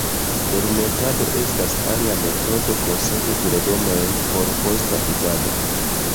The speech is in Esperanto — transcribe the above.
Fermentado estas alia metodo konservi legomojn por posta uzado.